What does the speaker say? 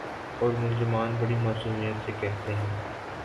اورملزمان بڑی معصومیت سے کہتے ہیں۔